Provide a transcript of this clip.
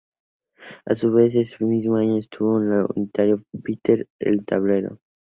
A su vez en ese mismo año estuvo en el unitario "Patear el tablero".